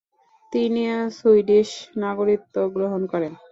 তিনি সুইডিশ নাগরিকত্ব গ্রহণ করেন।